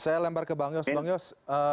saya lempar ke bang yos